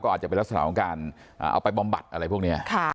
ก็อาจจะไปรักษาของการเอาไปบอมบัติอะไรพวกนี้